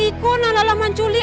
g stream aerobat kita